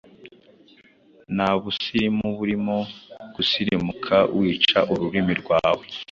nta busilimu burimo gusilimuka wica ururimi rwawe,